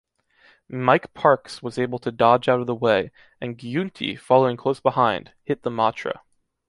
Mike Parkes was able to dodge out of the way, and Giunti, following close behind, hit the Matra.